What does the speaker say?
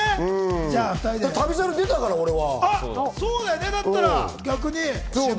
『旅猿』出たから俺は。